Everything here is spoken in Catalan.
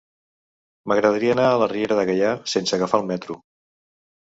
M'agradaria anar a la Riera de Gaià sense agafar el metro.